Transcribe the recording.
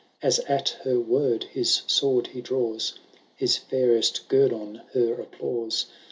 As at her word his sword he draws. His Purest guerdon her applause.